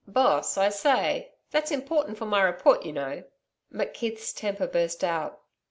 'Boss, I say that's important for my report, you know.' McKeith's temper burst out.